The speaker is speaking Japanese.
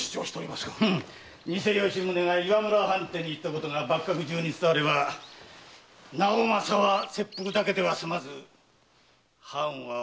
偽吉宗が岩村藩邸に行ったことが幕閣中に伝われば直正は切腹だけでは済まず藩はお取りつぶしじゃ。